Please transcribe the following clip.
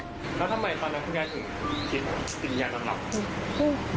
แล้วทำไมตอนนั้นคุณยานถึงกินสินยานอนรับ